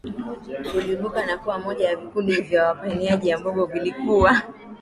kiliibuka na kuwa moja ya vikundi vya wapiganaji ambavyo vilikuwa